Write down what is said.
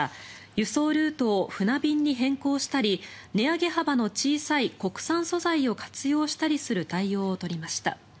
輸送ルートを船便に変更したり値上げ幅の小さい国産素材を活用したりする対応を取りました」